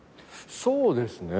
そうですね。